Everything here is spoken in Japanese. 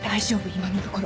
今のところ。